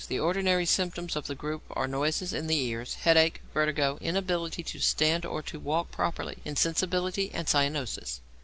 The ordinary symptoms of the group are noises in the ears, headache, vertigo, inability to stand or to walk properly, insensibility, and cyanosis.